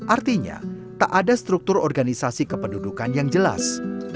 artinya tak ada struktur organisasi kependudukan yang jelas